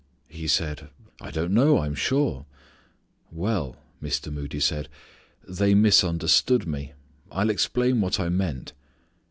He said, 'I don't know, I'm sure.' Well," Mr. Moody said, "they misunderstood me. I'll explain what I meant."